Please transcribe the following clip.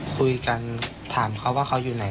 คุยกันถามเขาว่าเขาอยู่ไหน